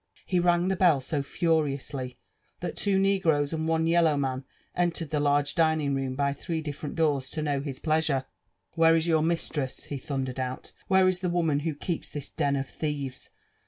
He rang the bell so furiously, that two iMgroea and one yellow qian entered the large ftiftiog ^room by three diffsrent doors to know bis pleasure^ "Wherci is yeiur mistress?'' he Ihundiefed put; *^ where is Ae lMflu» who keeps Ibis den ef thieves